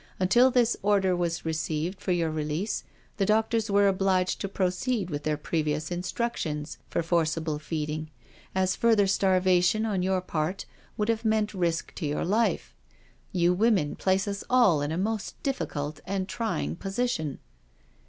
Until this order was received for your release, the doctors were obliged to proceed with their previous instructions for forcible feeding, as further starvation on your part would have meant risk to your life. You women place us all in a most diffi cult and trying position."